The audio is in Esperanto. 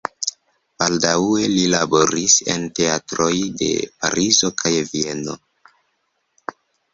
Baldaŭe li laboris en teatroj de Parizo kaj Vieno.